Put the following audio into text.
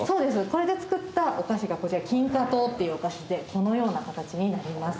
これで作ったお菓子がこちら金花糖っていうお菓子でこのような形になります。